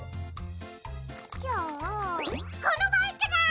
じゃあこのバイクだ！